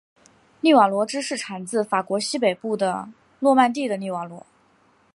利瓦罗芝士产自法国西北部的诺曼第的利瓦罗。